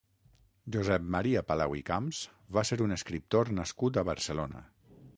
Josep Maria Palau i Camps va ser un escriptor nascut a Barcelona.